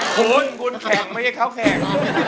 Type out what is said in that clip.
คุณคุณแข่งไม่ใช่เขาแข่ง